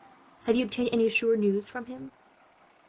Have you obtained any sure news from him?"